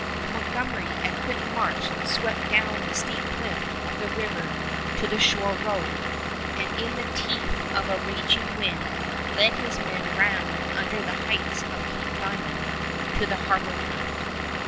Montgomery at quick march swept down the steep cliff of the river to the shore road, and in the teeth of a raging wind led his men round under the heights of Cape Diamond to the harbor front.